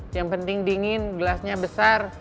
yang penting dingin gelasnya besar